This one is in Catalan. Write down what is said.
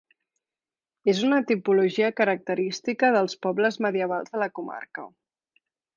És una tipologia característica dels pobles medievals de la comarca.